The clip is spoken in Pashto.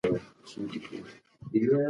که ډاډ وي نو اضطراب نه وي.